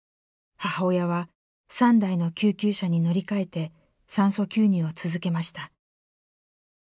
母親は３台の救急車に乗り換えて酸素吸入を続けました。